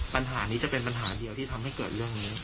ปัญหานี้จะเป็นปัญหาเดียวที่ทำให้เกิดเรื่องนี้